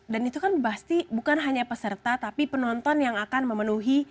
dan itu kan pasti bukan hanya peserta tapi penonton yang akan memenuhi